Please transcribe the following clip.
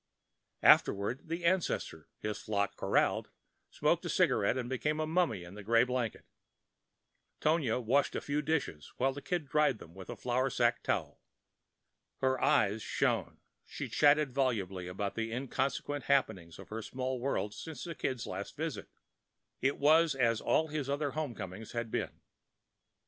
Afterward, the ancestor, his flock corralled, smoked a cigarette and became a mummy in a grey blanket. Tonia washed the few dishes while the Kid dried them with the flour sacking towel. Her eyes shone; she chatted volubly of the inconsequent happenings of her small world since the Kid's last visit; it was as all his other home comings had been.